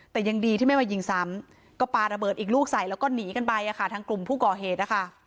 แต่ยังดีที่ไม่มายิงซ้ำก็ปาระเบิดอีกลูกใส่แล้วก็หนีกันไปทางกลุ่มผู้ก่อเหตุนะคะ